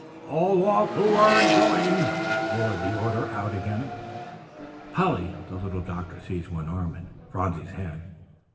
"All off who aren't going!" roared the order out again. "Polly!" The little doctor seized one arm and Phronsie's hand.